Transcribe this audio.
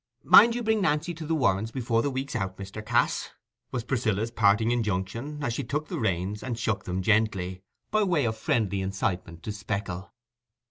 "Mind you bring Nancy to the Warrens before the week's out, Mr. Cass," was Priscilla's parting injunction, as she took the reins, and shook them gently, by way of friendly incitement to Speckle.